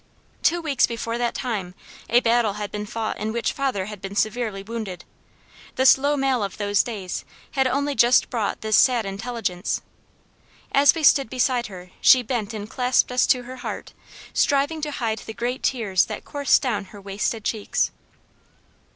Two weeks before that time, a battle had been fought in which father had been severely wounded. The slow mail of those days had only just brought this sad intelligence. As we stood beside her she bent and clasped us to her heart, striving to hide the great tears that coursed down her wasted cheeks.